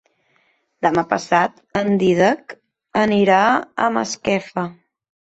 Demà passat en Dídac anirà a Masquefa.